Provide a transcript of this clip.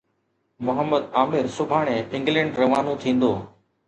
محمد عامر سڀاڻي انگلينڊ روانو ٿيندو